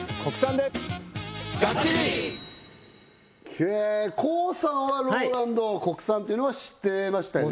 へえＫＯＯさんはローランドは国産っていうのは知ってましたよね？